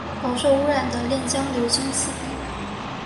饱受污染的练江流经此地。